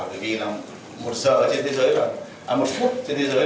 bởi vì là một giờ trên thế giới cả một phút trên thế giới